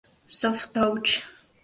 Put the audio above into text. Soft Touch".